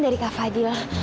dari kak fadil